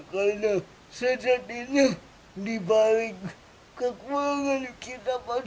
karena sejadinya dibanding kekurangan kita pasti